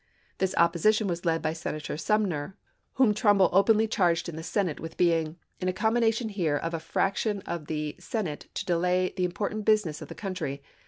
This opposition was led by Senator Sumner, whom Trumbull openly charged in the Senate with being "in a combination here of a fraction of the Senate to delay the important busi ness of the country